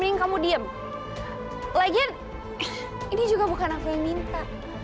lagian ini juga bukan aku yang minta